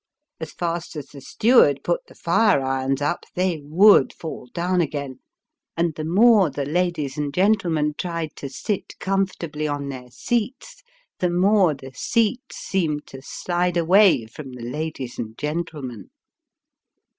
As fast as the steward put the fire irons up, they would fall down again ; and the more the ladies and gentlemen tried to sit comfortably on their seats, the more the seats seemed to slide away from the ladies and gentle men.